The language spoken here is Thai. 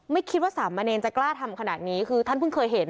ไม่คิดว่าสามเณรจะกล้าทำขนาดนี้คือท่านเพิ่งเคยเห็น